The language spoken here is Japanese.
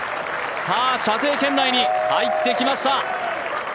射程圏内に入ってきました。